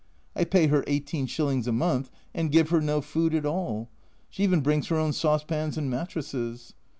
I pay her i8s. a month and give her no food at all ! She even brings her own saucepans and mattresses